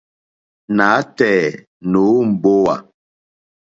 Nǎtɛ̀ɛ̀ nǒ mbówà.